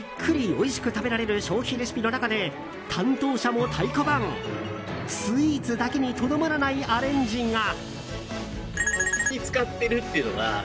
おいしく食べられる消費レシピの中で担当者も太鼓判スイーツだけにとどまらないアレンジが。